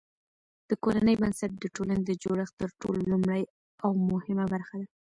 د کورنۍ بنسټ د ټولني د جوړښت تر ټولو لومړۍ او مهمه برخه ده.